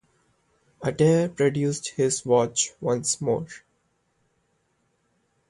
Adair produced his watch once more.